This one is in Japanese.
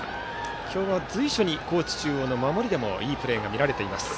今日は随所に高知中央の守りでもいいプレーが見られています。